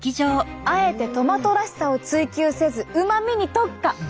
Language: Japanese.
あえてトマトらしさを追求せずうまみに特化！